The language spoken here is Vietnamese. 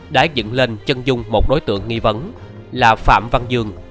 đã dựng lên chân dung một đối tượng nghi vấn là phạm văn dương